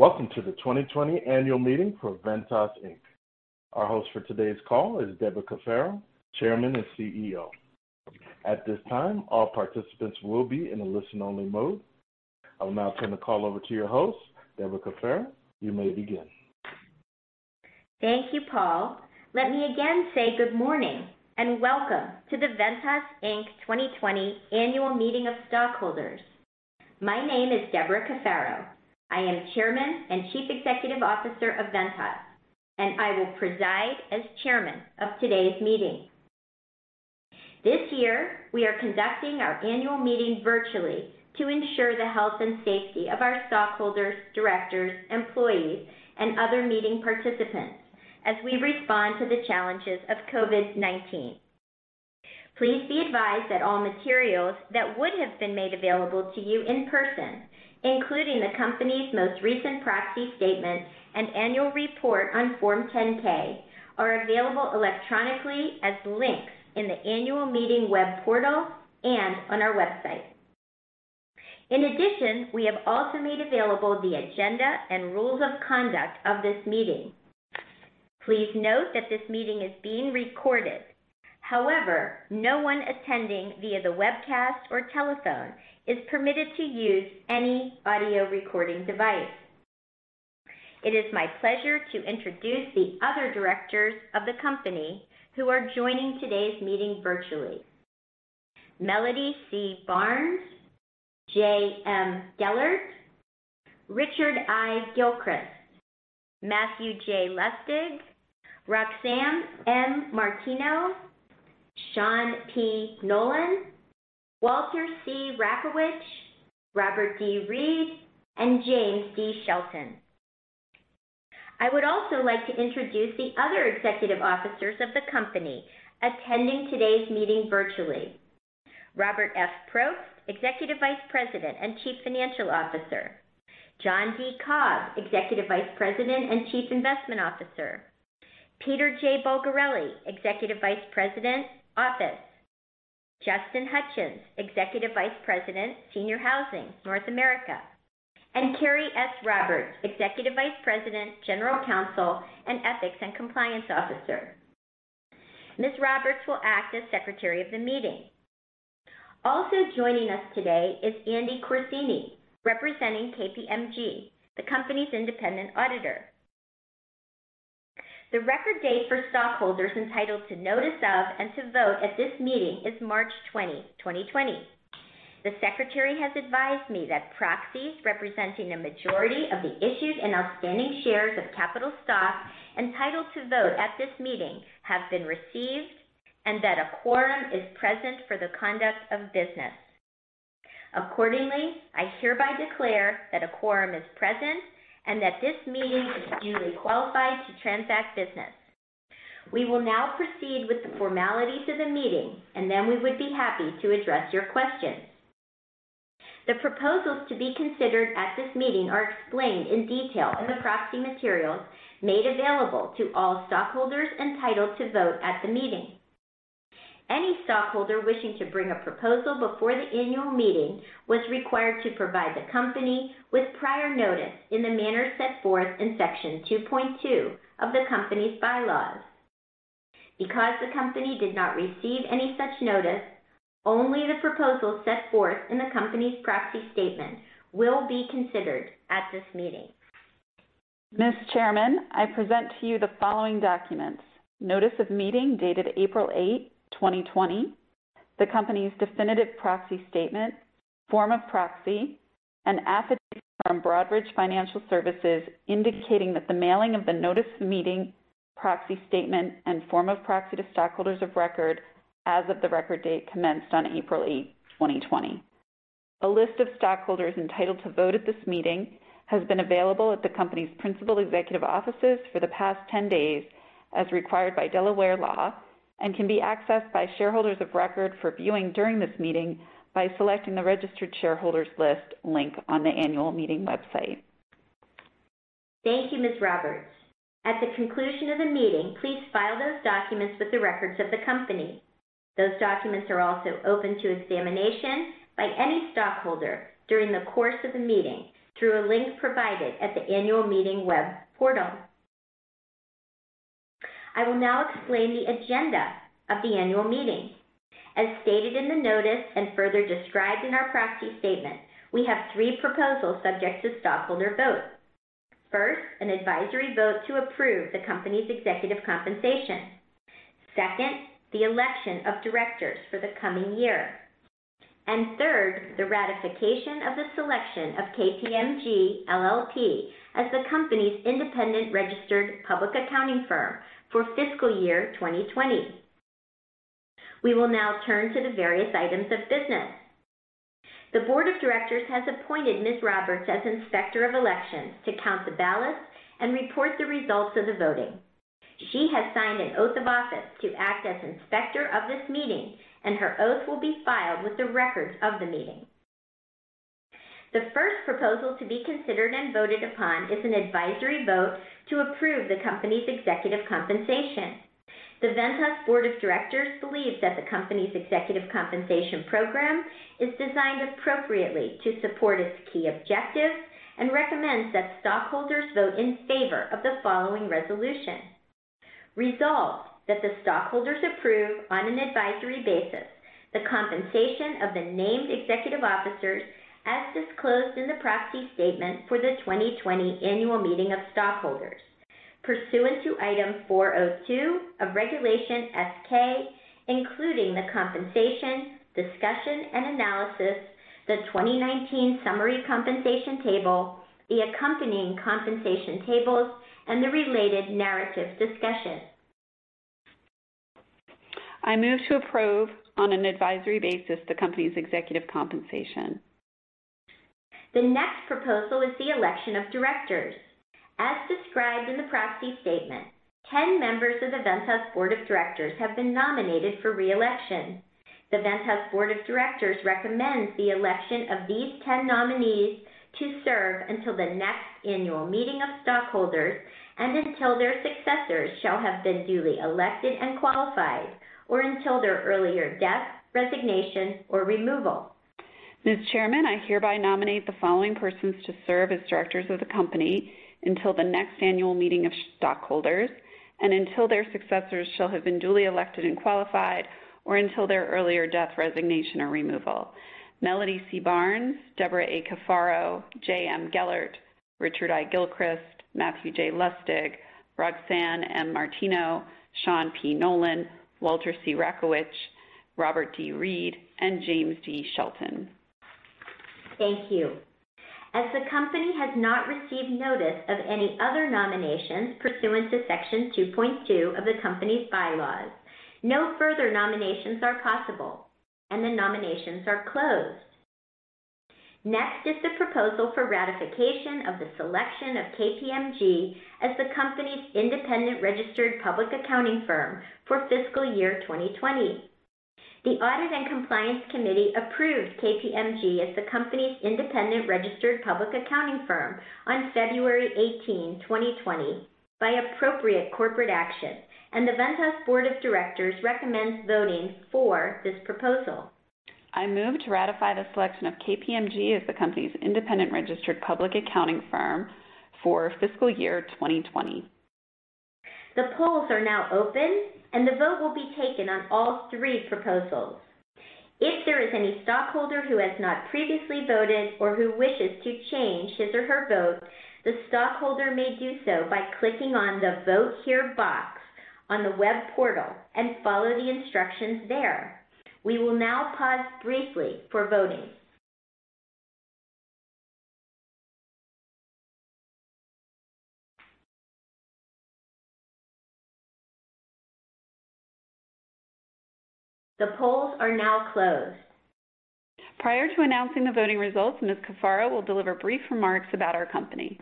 Welcome to the 2020 Annual Meeting for Ventas, Inc. Our host for today's call is Debra Cafaro, Chairman and CEO. At this time, all participants will be in a listen-only mode. I will now turn the call over to your host, Debra Cafaro. You may begin. Thank you, Paul. Let me again say good morning and welcome to the Ventas, Inc 2020 Annual Meeting of Stockholders. My name is Debra Cafaro. I am Chairman and Chief Executive Officer of Ventas, and I will preside as Chairman of today's meeting. This year, we are conducting our annual meeting virtually to ensure the health and safety of our stockholders, directors, employees, and other meeting participants as we respond to the challenges of COVID-19. Please be advised that all materials that would have been made available to you in person, including the company's most recent proxy statement and annual report on Form 10-K, are available electronically as links in the annual meeting web portal and on our website. In addition, we have also made available the agenda and rules of conduct of this meeting. Please note that this meeting is being recorded. However, no one attending via the webcast or telephone is permitted to use any audio recording device. It is my pleasure to introduce the other directors of the company who are joining today's meeting virtually: Melody C. Barnes, Jay M. Gellert, Richard I. Gilchrist, Matthew J. Lustig, Roxanne M. Martino, Sean P. Nolan, Walter C. Rakowich, Robert D. Reed, and James D. Shelton. I would also like to introduce the other executive officers of the company attending today's meeting virtually: Robert F. Probst, Executive Vice President and Chief Financial Officer; John D. Cobb, Executive Vice President and Chief Investment Officer; Peter J. Bulgarelli, Executive Vice President, Office; Justin Hutchens, Executive Vice President, Senior Housing, North America; and Carey S. Roberts, Executive Vice President, General Counsel, and Ethics and Compliance Officer. Ms. Roberts will act as Secretary of the meeting. Also joining us today is Andy Corsini, representing KPMG, the company's independent auditor. The record date for stockholders entitled to notice of and to vote at this meeting is March 20, 2020. The Secretary has advised me that proxies representing a majority of the issued and outstanding shares of capital stock entitled to vote at this meeting have been received and that a quorum is present for the conduct of business. Accordingly, I hereby declare that a quorum is present and that this meeting is duly qualified to transact business. We will now proceed with the formalities of the meeting, and then we would be happy to address your questions. The proposals to be considered at this meeting are explained in detail in the proxy materials made available to all stockholders entitled to vote at the meeting. Any stockholder wishing to bring a proposal before the annual meeting was required to provide the company with prior notice in the manner set forth in Section 2.2 of the company's bylaws. Because the company did not receive any such notice, only the proposal set forth in the company's proxy statement will be considered at this meeting. Ms. Chairman, I present to you the following documents: Notice of Meeting dated April 8, 2020; the company's definitive Proxy Statement; Form of Proxy; and affidavit from Broadridge Financial Services indicating that the mailing of the Notice of Meeting, Proxy Statement, and Form of Proxy to Stockholders of Record as of the Record Date commenced on April 8, 2020. A list of stockholders entitled to vote at this meeting has been available at the company's principal executive offices for the past 10 days as required by Delaware law and can be accessed by shareholders of record for viewing during this meeting by selecting the Registered Shareholders List link on the annual meeting website. Thank you, Ms. Roberts. At the conclusion of the meeting, please file those documents with the records of the company. Those documents are also open to examination by any stockholder during the course of the meeting through a link provided at the annual meeting web portal. I will now explain the agenda of the annual meeting. As stated in the notice and further described in our proxy statement, we have three proposals subject to stockholder vote. First, an advisory vote to approve the company's executive compensation. Second, the election of directors for the coming year. And third, the ratification of the selection of KPMG LLP as the company's independent registered public accounting firm for fiscal year 2020. We will now turn to the various items of business. The Board of Directors has appointed Ms. Roberts as Inspector of Elections to count the ballots and report the results of the voting. She has signed an oath of office to act as Inspector of this meeting, and her oath will be filed with the records of the meeting. The first proposal to be considered and voted upon is an advisory vote to approve the company's executive compensation. The Ventas Board of Directors believes that the company's executive compensation program is designed appropriately to support its key objectives and recommends that stockholders vote in favor of the following resolution: Resolved that the stockholders approve on an advisory basis the compensation of the named executive officers as disclosed in the proxy statement for the 2020 Annual Meeting of Stockholders, pursuant to item 402 of Regulation S-K, including the compensation, discussion, and analysis, the 2019 Summary Compensation Table, the accompanying compensation tables, and the related narrative discussion. I move to approve on an advisory basis the company's executive compensation. The next proposal is the election of directors. As described in the proxy statement, 10 members of the Ventas Board of Directors have been nominated for re-election. The Ventas Board of Directors recommends the election of these 10 nominees to serve until the next annual meeting of stockholders and until their successors shall have been duly elected and qualified, or until their earlier death, resignation, or removal. Ms. Chairman, I hereby nominate the following persons to serve as directors of the company until the next annual meeting of stockholders and until their successors shall have been duly elected and qualified, or until their earlier death, resignation, or removal: Melody C. Barnes, Debra A. Cafaro, Jay M. Gellert, Richard I. Gilchrist, Matthew J. Lustig, Roxanne M. Martino, Sean P. Nolan, Walter C. Rakowich, Robert D. Reed, and James D. Shelton. Thank you. As the company has not received notice of any other nominations pursuant to Section 2.2 of the company's bylaws, no further nominations are possible, and the nominations are closed. Next is the proposal for ratification of the selection of KPMG as the company's independent registered public accounting firm for fiscal year 2020. The Audit and Compliance Committee approved KPMG as the company's independent registered public accounting firm on February 18, 2020, by appropriate corporate action, and the Ventas Board of Directors recommends voting for this proposal. I move to ratify the selection of KPMG as the company's independent registered public accounting firm for fiscal year 2020. The polls are now open, and the vote will be taken on all three proposals. If there is any stockholder who has not previously voted or who wishes to change his or her vote, the stockholder may do so by clicking on the Vote Here box on the web portal and follow the instructions there. We will now pause briefly for voting. The polls are now closed. Prior to announcing the voting results, Ms. Cafaro will deliver brief remarks about our company.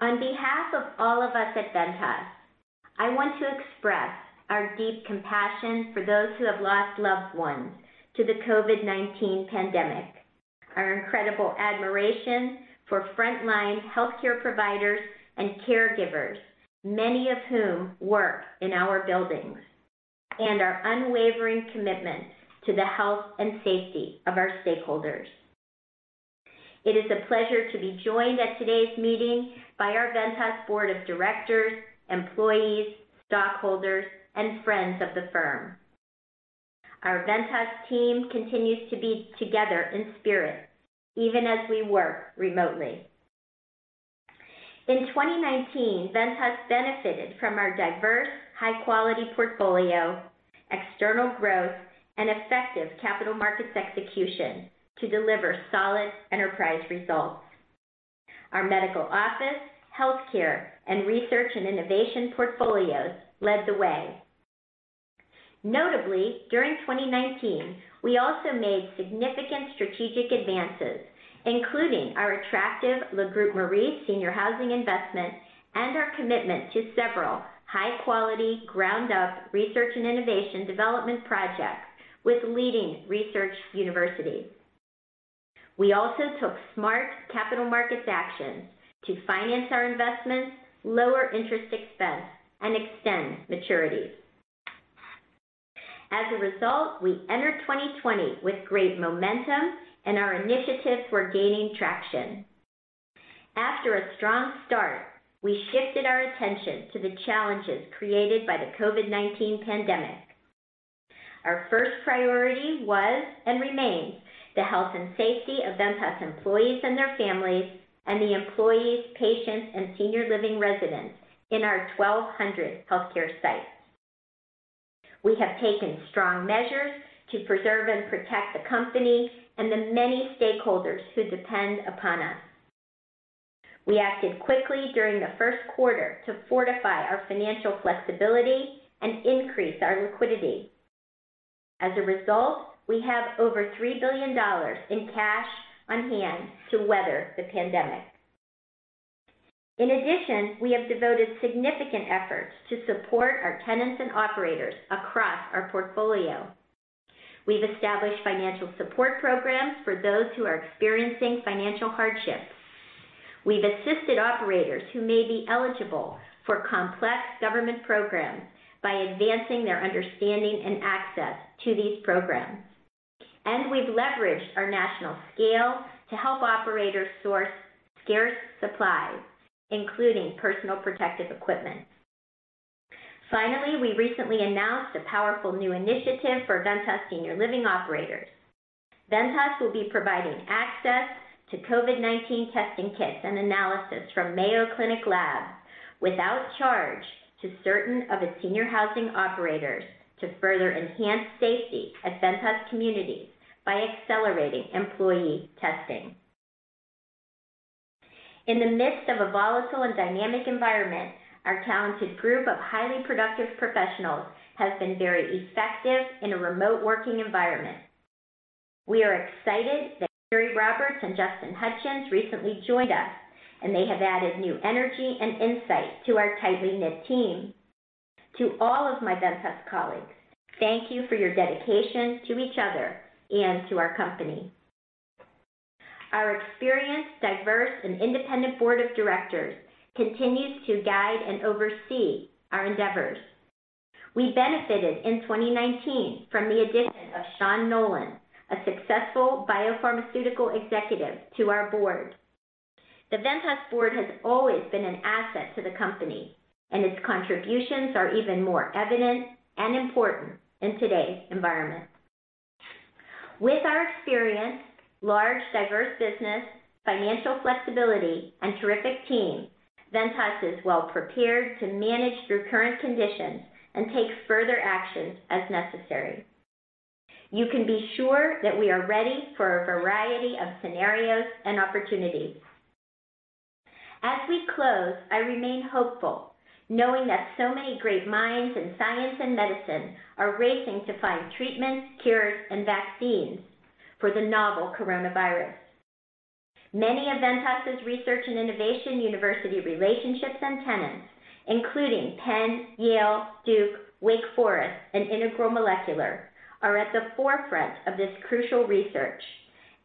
On behalf of all of us at Ventas, I want to express our deep compassion for those who have lost loved ones to the COVID-19 pandemic, our incredible admiration for frontline healthcare providers and caregivers, many of whom work in our buildings, and our unwavering commitment to the health and safety of our stakeholders. It is a pleasure to be joined at today's meeting by our Ventas Board of Directors, employees, stockholders, and friends of the firm. Our Ventas team continues to be together in spirit, even as we work remotely. In 2019, Ventas benefited from our diverse, high-quality portfolio, external growth, and effective capital markets execution to deliver solid enterprise results. Our medical office, healthcare, and research and innovation portfolios led the way. Notably, during 2019, we also made significant strategic advances, including our attractive Le Groupe Maurice Senior Housing investment and our commitment to several high-quality, ground-up research and innovation development projects with leading research universities. We also took smart capital markets actions to finance our investments, lower interest expense, and extend maturities. As a result, we entered 2020 with great momentum, and our initiatives were gaining traction. After a strong start, we shifted our attention to the challenges created by the COVID-19 pandemic. Our first priority was and remains the health and safety of Ventas employees and their families, and the employees, patients, and senior living residents in our 1,200 healthcare sites. We have taken strong measures to preserve and protect the company and the many stakeholders who depend upon us. We acted quickly during the first quarter to fortify our financial flexibility and increase our liquidity. As a result, we have over $3 billion in cash on hand to weather the pandemic. In addition, we have devoted significant efforts to support our tenants and operators across our portfolio. We've established financial support programs for those who are experiencing financial hardship. We've assisted operators who may be eligible for complex government programs by advancing their understanding and access to these programs, and we've leveraged our national scale to help operators source scarce supplies, including personal protective equipment. Finally, we recently announced a powerful new initiative for Ventas Senior Living operators. Ventas will be providing access to COVID-19 testing kits and analysis from Mayo Clinic Labs without charge to certain of its senior housing operators to further enhance safety at Ventas communities by accelerating employee testing. In the midst of a volatile and dynamic environment, our talented group of highly productive professionals has been very effective in a remote working environment. We are excited that Carey Roberts and Justin Hutchens recently joined us, and they have added new energy and insight to our tightly knit team. To all of my Ventas colleagues, thank you for your dedication to each other and to our company. Our experienced, diverse, and independent board of directors continues to guide and oversee our endeavors. We benefited in 2019 from the addition of Sean Nolan, a successful biopharmaceutical executive, to our board. The Ventas Board has always been an asset to the company, and its contributions are even more evident and important in today's environment. With our experienced, large, diverse business, financial flexibility, and terrific team, Ventas is well prepared to manage through current conditions and take further actions as necessary. You can be sure that we are ready for a variety of scenarios and opportunities. As we close, I remain hopeful knowing that so many great minds in science and medicine are racing to find treatments, cures, and vaccines for the novel coronavirus. Many of Ventas's research and innovation university relationships and tenants, including Penn, Yale, Duke, Wake Forest, and Integral Molecular, are at the forefront of this crucial research,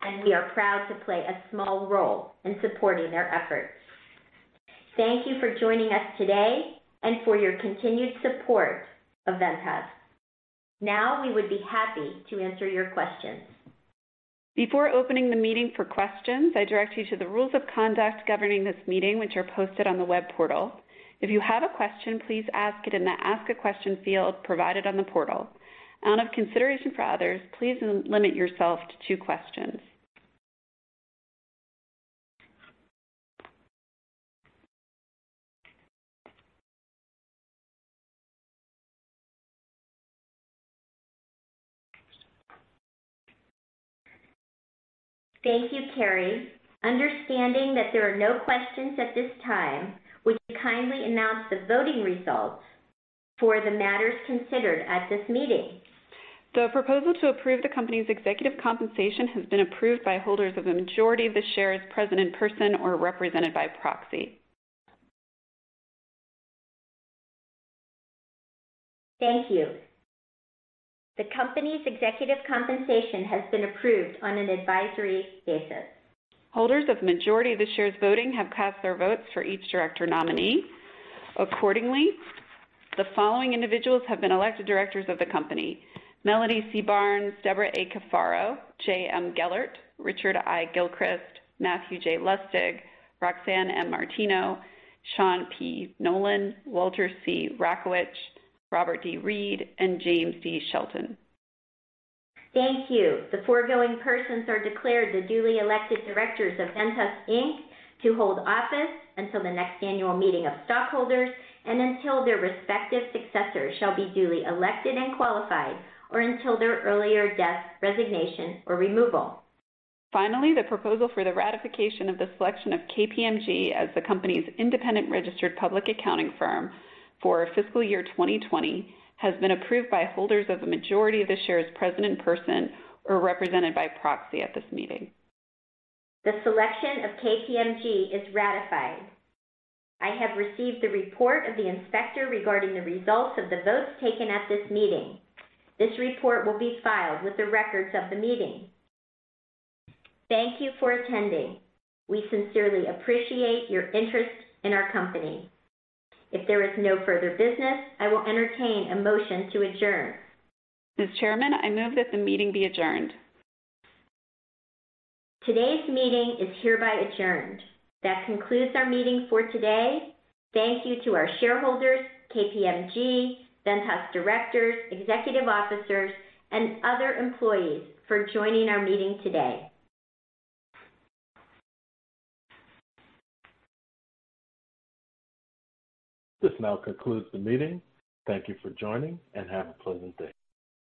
and we are proud to play a small role in supporting their efforts. Thank you for joining us today and for your continued support of Ventas. Now we would be happy to answer your questions. Before opening the meeting for questions, I direct you to the rules of conduct governing this meeting, which are posted on the web portal. If you have a question, please ask it in the Ask a Question field provided on the portal. Out of consideration for others, please limit yourself to two questions. Thank you, Carey. Understanding that there are no questions at this time, would you kindly announce the voting results for the matters considered at this meeting? The proposal to approve the company's executive compensation has been approved by holders of the majority of the shares present in person or represented by proxy. Thank you. The company's executive compensation has been approved on an advisory basis. Holders of the majority of the shares voting have cast their votes for each director nominee. Accordingly, the following individuals have been elected directors of the company: Melody C. Barnes, Debra A. Cafaro, Jay M. Gellert, Richard I. Gilchrist, Matthew J. Lustig, Roxanne M. Martino, Sean P. Nolan, Walter C. Rakowich, Robert D. Reed, and James D. Shelton. Thank you. The foregoing persons are declared the duly elected directors of Ventas, Inc, to hold office until the next annual meeting of stockholders and until their respective successors shall be duly elected and qualified, or until their earlier death, resignation, or removal. Finally, the proposal for the ratification of the selection of KPMG as the company's independent registered public accounting firm for fiscal year 2020 has been approved by holders of the majority of the shares present in person or represented by proxy at this meeting. The selection of KPMG is ratified. I have received the report of the inspector regarding the results of the votes taken at this meeting. This report will be filed with the records of the meeting. Thank you for attending. We sincerely appreciate your interest in our company. If there is no further business, I will entertain a motion to adjourn. Ms. Chairman, I move that the meeting be adjourned. Today's meeting is hereby adjourned. That concludes our meeting for today. Thank you to our shareholders, KPMG, Ventas directors, executive officers, and other employees for joining our meeting today. This now concludes the meeting. Thank you for joining, and have a pleasant day.